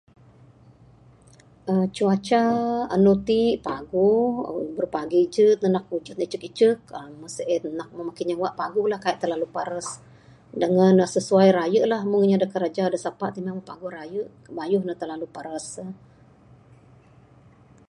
uhh cuaca andu t paguh burupagi ijen nak ujan icek icek mbeh sien nak makin nyewak pak paguh la kai ne tentu peras dengan sesuai raye la mung inya dak kerja dak sepa nang paguh raye lah bayuh ne tentu peras.